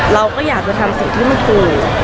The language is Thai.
เราก็อยากจะทำสิ่งที่มันถูก